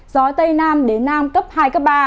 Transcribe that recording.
gió tây nam đến nam cấp hai cấp ba